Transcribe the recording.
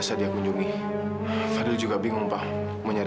sampai jumpa di video selanjutnya